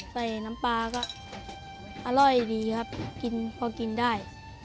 ใส่น้ำปลาก็อร่อยดีครับกินพอกินได้